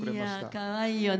かわいいよね。